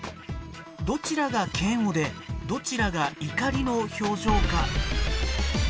どちらが嫌悪でどちらが怒りの表情か。